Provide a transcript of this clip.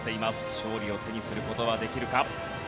勝利を手にする事はできるか。